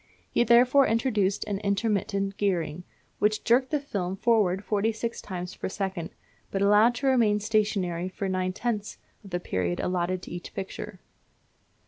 He therefore introduced an intermittent gearing, which jerked the film forwards forty six times per second, but allowed it to remain stationary for nine tenths of the period allotted to each picture.